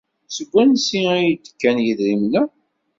Seg wansi ay as-d-kkan yidrimen-a?